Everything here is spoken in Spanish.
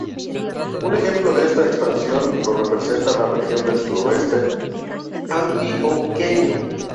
Un ejemplo de esta expansión lo representa la región del suroeste antioqueño.